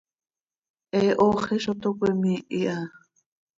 He hooxi zo toc cöimiih iha.